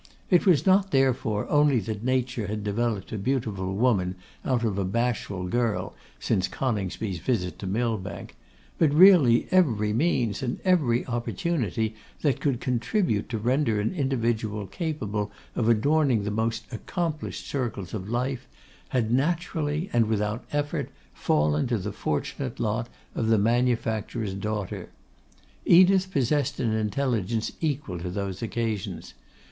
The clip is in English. It was not, therefore, only that nature had developed a beautiful woman out of a bashful girl since Coningsby's visit to Millbank; but really, every means and every opportunity that could contribute to render an individual capable of adorning the most accomplished circles of life, had naturally, and without effort, fallen to the fortunate lot of the manufacturer's daughter. Edith possessed an intelligence equal to those occasions.